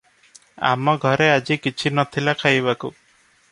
“-ଆମ ଘରେ ଆଜି କିଛି ନଥିଲା ଖାଇବାକୁ ।